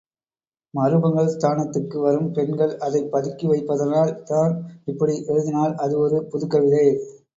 மருமகள் ஸ்தானத்துக்கு வரும் பெண்கள் அதைப் பதுக்கி வைப்பதால் தான் இப்படி எழுதினால் அது ஒரு புதுக்கவிதை.